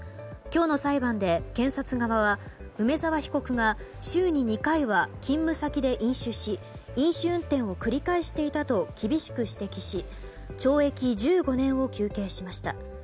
今日の裁判で検察側は梅沢被告が週に２回は勤務先で飲酒し飲酒運転を繰り返していたと厳しく指摘し懲役１５年を求刑しました。